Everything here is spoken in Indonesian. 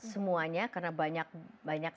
semuanya karena banyak